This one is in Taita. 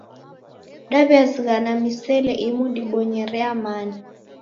Daw'iazighana misele imu dibonyere ya mana.